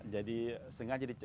jadi sengaja di